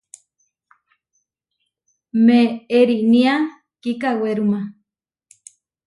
Meʼerinia kikawéruma.